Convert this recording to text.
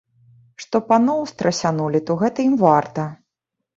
Што паноў страсянулі, то гэта ім варта.